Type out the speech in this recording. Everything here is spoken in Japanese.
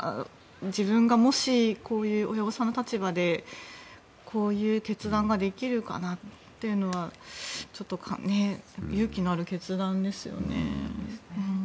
自分がもし親御さんの立場でこういう決断ができるかなというのは勇気のある決断ですよね。